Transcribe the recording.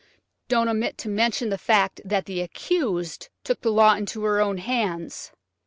"Don't omit to mention the fact that the accused took the law into her own hands."